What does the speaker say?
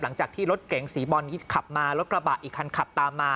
หลังจากที่รถเก๋งสีบอลขับมารถกระบะอีกคันขับตามมา